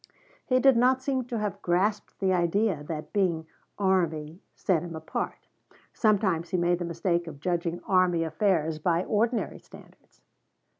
He did not seem to have grasped the idea that being "army" set him apart. Sometimes he made the mistake of judging army affairs by ordinary standards.